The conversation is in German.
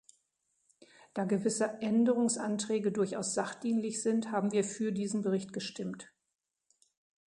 Da gewisse Änderungsanträge durchaus sachdienlich sind, haben wir für diesen Bericht gestimmt.